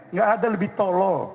nggak ada lebih tolo